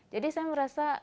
jadi saya merasa